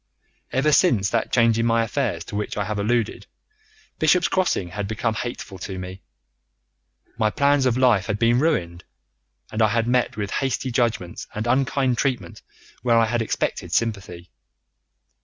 "Ever since that change in my affairs to which I have alluded, Bishop's Crossing had become hateful to me. My plans of life had been ruined, and I had met with hasty judgments and unkind treatment where I had expected sympathy.